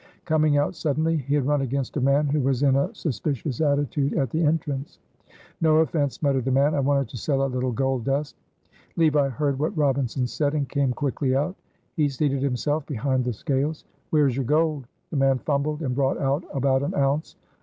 Coming out suddenly he had run against a man who was in a suspicious attitude at the entrance. "No offense," muttered the man, "I wanted to sell a little gold dust." Levi heard what Robinson said, and came quickly out. He seated himself behind the scales. "Where is your gold?" The man fumbled and brought out about an ounce.